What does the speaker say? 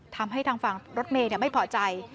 ทำให้ทางฝั่งรถเมย์ไม่พอใจ